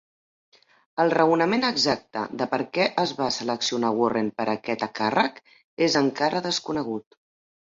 El raonament exacte de per què es va seleccionar Warren per a aquest càrrec és encara desconegut.